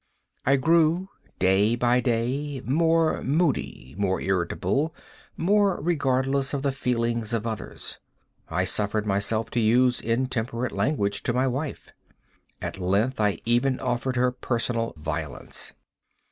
I grew, day by day, more moody, more irritable, more regardless of the feelings of others. I suffered myself to use intemperate language to my wife. At length, I even offered her personal violence.